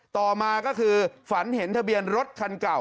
ต่อมาก็คือฝันเห็นทะเบียนรถคันเก่า